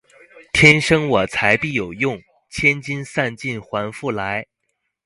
天生我材必有用，千金散尽还复来